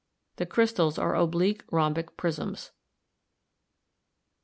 The crystals are oblique rhombic prisms.